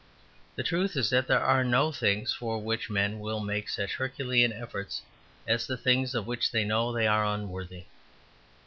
The truth is that there are no things for which men will make such herculean efforts as the things of which they know they are unworthy.